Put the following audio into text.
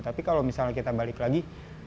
tapi kalau misalnya kita balik lagi